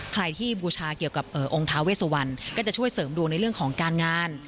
ใครที่บูชาเกี่ยวกับองค์ท้าเวสวันก็จะช่วยเสริมดวงในเรื่องของการงาน